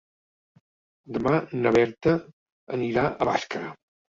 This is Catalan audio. Demà na Berta anirà a Bàscara.